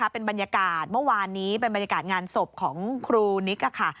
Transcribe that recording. เป็นบรรยากาศเมื่อวานนี้เป็นบรรยากาศงานศพของครูนิกค่ะ